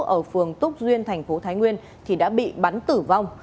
ở phường túc duyên thành phố thái nguyên thì đã bị bắn tử vong